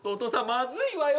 まずいわよ